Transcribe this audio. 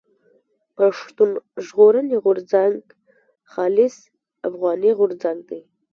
پښتون ژغورني غورځنګ خالص افغاني غورځنګ دی.